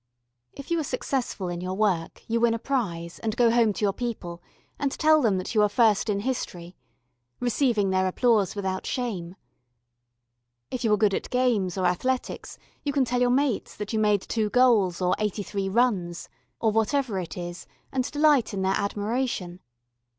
If you are successful in your work you win a prize and go home to your people, and tell them that you are first in history, receiving their applause without shame. If you are good at games or athletics you can tell your mates that you made two goals or eighty three runs or whatever it is, and delight in their admiration.